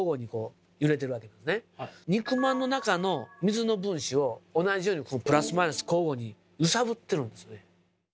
肉まんの中の水の分子を同じようにプラスマイナス交互に揺さぶってるんですね。